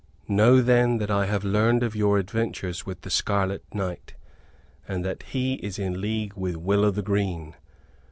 Know then that I have learned of your adventures with the Scarlet Knight; and that he is in league with Will o' th' Green.